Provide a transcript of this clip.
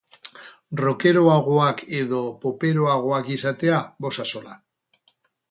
Rockeroagoak edo poperoagoak izatea, bost axola.